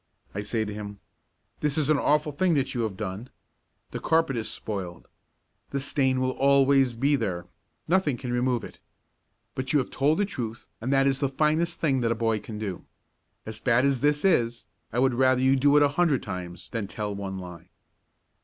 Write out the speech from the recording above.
I say to him: "This is an awful thing that you have done. The carpet is spoiled. The stain will always be there. Nothing can remove it. But you have told the truth and that is the finest thing that a boy can do. As bad as this is, I would rather you would do it a hundred times than tell one lie."